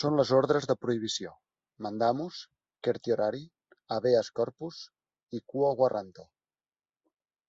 Són les ordres de prohibició: "mandamus", "certiorari", "habeas corpus" i "quo warranto".